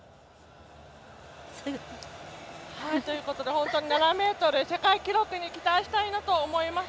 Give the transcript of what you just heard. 本当に７ｍ、世界記録に期待したいなと思います。